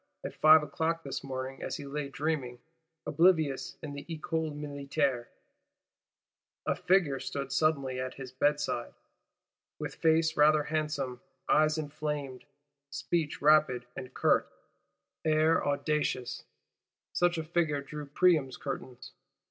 At five o'clock this morning, as he lay dreaming, oblivious in the Ecole Militaire, a "figure" stood suddenly at his bedside: "with face rather handsome; eyes inflamed, speech rapid and curt, air audacious:" such a figure drew Priam's curtains!